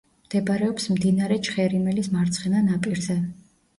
მდებარეობს მდინარე ჩხერიმელის მარცხენა ნაპირზე.